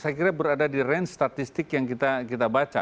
saya kira berada di range statistik yang kita baca